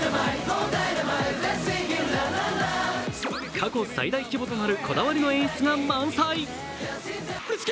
過去最大規模となるこだわりの演出が満載。